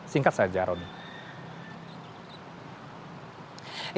singkat saja roni